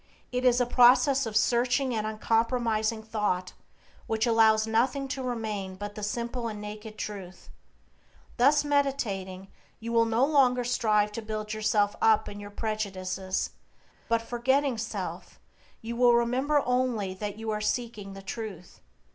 It is a process of searching and uncompromising thought which allows nothing to remain but the simple and naked truth. Thus meditating you will no longer strive to build yourself up in your prejudices, but, forgetting self, you will remember only that you are seeking the Truth.